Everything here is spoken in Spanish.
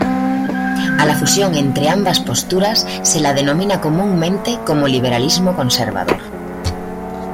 A la fusión entre ambas posturas se la denomina comúnmente como liberalismo conservador.